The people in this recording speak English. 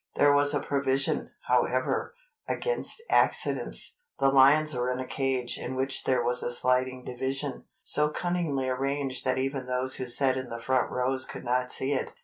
There was a provision, however, against accidents: The lions were in a cage in which there was a sliding division, so cunningly arranged that even those who sat in the front rows could not see it.